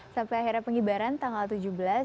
sampai akhirnya pengibaran tanggal tujuh belas